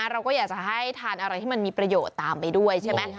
เราก็อยากจะให้ทานอะไรที่มันมีประโยชน์ตามไปด้วยใช่ไหม